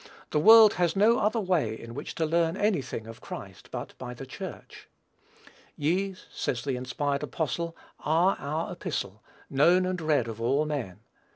The world has no other way in which to learn any thing of Christ but by the Church. "Ye," says the inspired apostle, "are our epistle, ... known and read of all men."